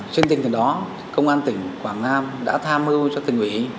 trên tinh thần đó công an tỉnh quảng nam đã tham mưu cho tỉnh ủy